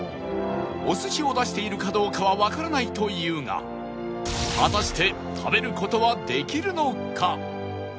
お寿司を出しているかどうかはわからないというが果たして食べる事はできるのか？